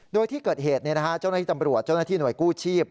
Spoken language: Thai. โดยที่เกิดเหตุเจ้าหน้าที่ตำรวจเจ้าหน้าที่หน่วยกู้ชีพ